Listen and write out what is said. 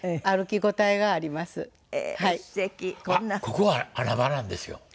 ここ穴場なんですよ。